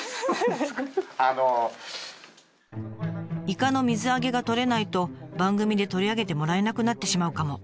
イカの水揚げが撮れないと番組で取り上げてもらえなくなってしまうかも。